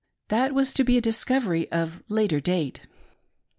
That was to be a discovery of later date.